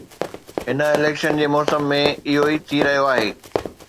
هن اليڪشن جي موسم ۾ اهو ئي ٿي رهيو آهي.